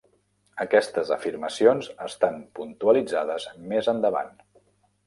Aquestes afirmacions estan puntualitzades més endavant.